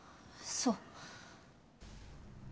そう。